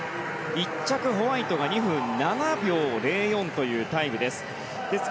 １着、ホワイトが２分７秒０４というタイムです。